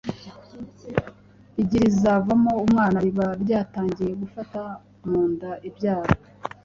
igi rizavamo umwana riba ryatangiye gufata munda ibyara